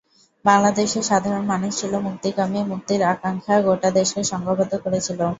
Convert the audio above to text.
বাংলাদেশের সাধারণ মানুষ ছিল মুক্তিকামী, মুক্তির আকাঙ্ক্ষা গোটা দেশকে সংঘবদ্ধ করেছিল।